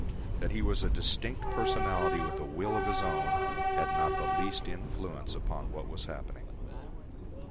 That he was a distinct personality with a will of his own had not the least influence upon what was happening.